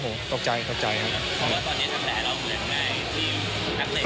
โหตกใจครับ